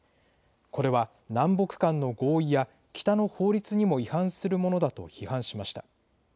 これは南北間の合意や北の法律にも違反するものだと批判しました。